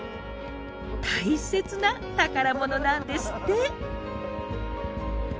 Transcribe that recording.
大切な宝物なんですって。